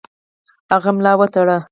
هغه ملا وتړي.